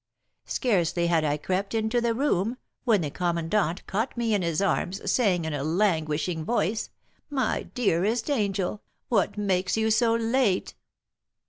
Scarcely had I crept into the room, when the commandant caught me in his arms, saying, in a languishing voice, 'My dearest angel! what makes you so late?'"